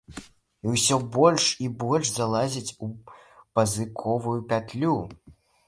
І ўсё больш і больш залазіць у пазыковую пятлю.